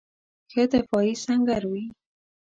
ښه دفاعي سنګر وي.